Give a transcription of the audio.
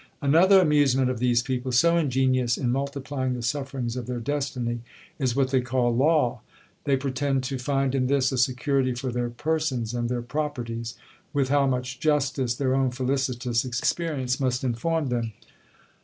'Another amusement of these people, so ingenious in multiplying the sufferings of their destiny, is what they call law. They pretend to find in this a security for their persons and their properties—with how much justice, their own felicitous experience must inform them!